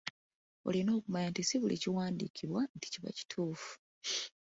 Olina okumanya nti si buli kiwandiikibwa nti kiba kituufu.